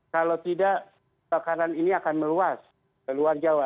kalau tidak kebakaran ini akan meluas ke luar jawa